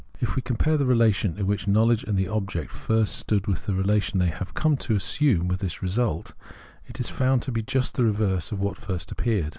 If we compare the relation in which knowledge and the object first stood with the relation they have come to assume in this result, it is found to be just the reverse of what first appeared.